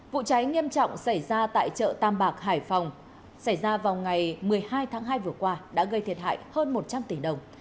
vụ cháy nghiêm trọng xảy ra tại chợ tam bạc hải phòng xảy ra vào ngày một mươi hai tháng hai vừa qua đã gây thiệt hại hơn một trăm linh tỷ đồng